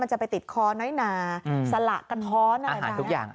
มันจะไปติดคอน้อยหนาสละกันฮอต์อาหารทุกอย่าง